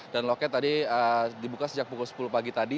dan loket tadi dibuka sejak pukul sepuluh pagi tadi